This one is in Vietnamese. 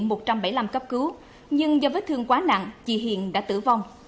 hải đã được chuyển lên bệnh viện một trăm bảy mươi năm cấp cứu nhưng do vết thương quá nặng chị hiền đã tử vong